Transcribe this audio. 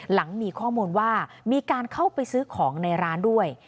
หลังมีข้อมูลว่ามีการเข้าไปซื้อของในร้านด้วย